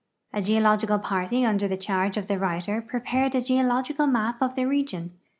A geological j)arty under the charge of the writer i>re})ared a geological map of the region.